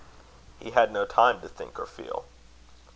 He had no time to think or feel.